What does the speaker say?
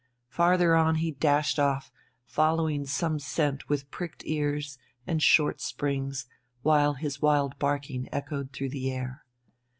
Farther on he dashed off, following some scent with pricked ears and short springs, while his wild barking echoed through the air.